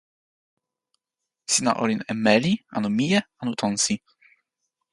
sina olin e meli anu mije anu tonsi?